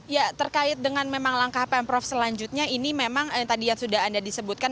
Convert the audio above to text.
ya terkait dengan memang langkah pemprov selanjutnya ini memang tadi yang sudah anda disebutkan